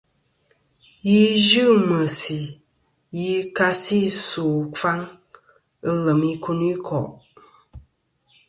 Yi yɨ meysi yi ka si ɨsu ɨkfaŋ ɨ lem ikuniko'.